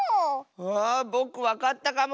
あぼくわかったかも！